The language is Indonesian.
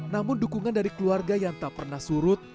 namun dukungan dari keluarga yang tak pernah surut